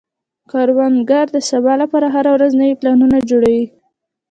کروندګر د سبا لپاره هره ورځ نوي پلانونه جوړوي